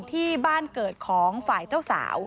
ที่บ้านเกิดของฝ่ายเจ้าสาว